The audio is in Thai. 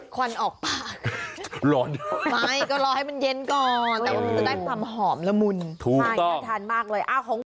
ควันออกปากไม่ก็รอให้มันเย็นก่อนแต่ว่ามันจะได้ความหอมละมุน